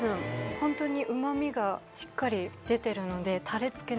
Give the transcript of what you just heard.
ホントにうまみがしっかり出てるので。